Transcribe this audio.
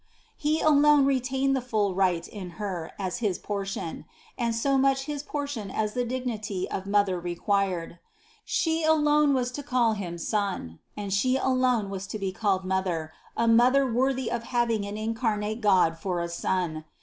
He alone retained the full right in Her as his portion, and so much his portion as the dignity of Mother required. She alone was to call Him Son, and She alone was to be called Mother, a Mother worthy of having an incarnate God for a Son.